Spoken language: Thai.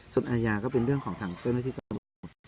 ส่วนอาญาก็เป็นเรื่องของทางเจ้าหน้าที่กับตำรวจ